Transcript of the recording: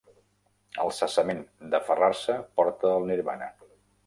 El cessament d'aferrar-se porta al Nirvana.